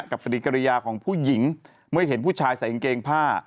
ปฏิกิริยาของผู้หญิงเมื่อเห็นผู้ชายใส่กางเกงผ้า